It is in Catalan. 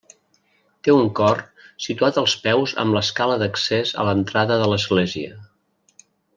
Té un cor situat als peus amb l'escala d'accés a l'entrada de l'església.